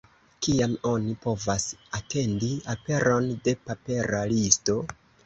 Kiam oni povas atendi aperon de papera listo?